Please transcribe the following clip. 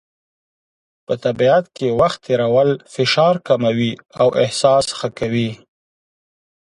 په طبیعت کې وخت تېرول فشار کموي او احساس ښه کوي.